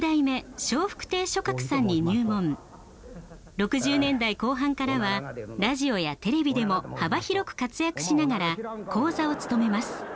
６０年代後半からはラジオやテレビでも幅広く活躍しながら高座を務めます。